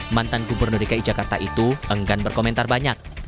mantan gubernur dki jakarta itu enggan berkomentar banyak